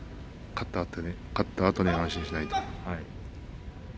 勝ったあとに安心しないと。